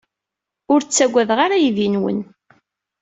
Ur ttaggadeɣ ara aydi-nwen.